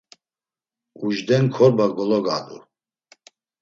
“Ujden korba gologadu”